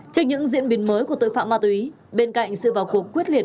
trên những diễn biến mới của tội phạm ma túy bên cạnh sự vào cuộc quyết liệt